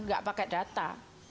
nggak pakai data